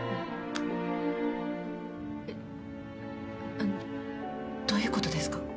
あのどういうことですか？